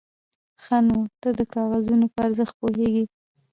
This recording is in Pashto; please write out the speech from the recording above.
_ښه، نو ته د کاغذونو په ارزښت پوهېږې؟